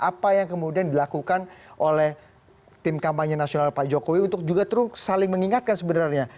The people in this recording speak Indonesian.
apa yang kemudian dilakukan oleh tim kampanye nasional pak jokowi untuk juga terus saling mengingatkan sebenarnya